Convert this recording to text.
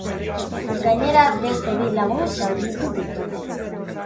Gainera, beste bi lagun zauritu ditu.